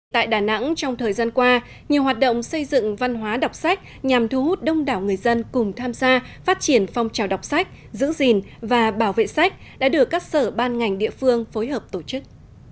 tại đà nẵng trong thời gian qua nhiều hoạt động xây dựng văn hóa đọc sách nhằm thu hút đông đảo người dân cùng tham gia phát triển phong trào đọc sách giữ gìn và bảo vệ sách đã được các sở ban ngành địa phương phối hợp tổ chức